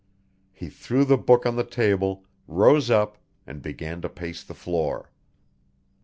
He threw the book on the table, rose up, and began to pace the floor.